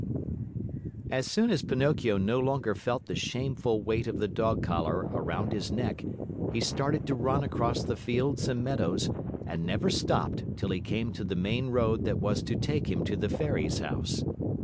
As soon as Pinocchio no longer felt the shameful weight of the dog collar around his neck, he started to run across the fields and meadows, and never stopped till he came to the main road that was to take him to the Fairy's house.